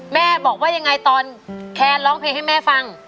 แม่บอกว่ายังไงตอนแคนร้องเพลงให้แม่ฟัง